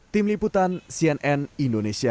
tim liputan cnn indonesia